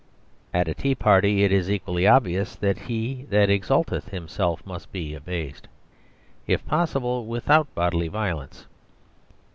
At a tea party it is equally obvious that he that exalteth himself must be abased, if possible without bodily violence.